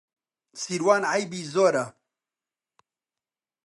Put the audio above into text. سیروان عەیبی زۆرە.